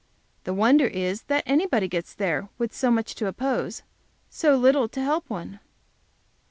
The wonder is that anybody gets there with so much to oppose so little to help one!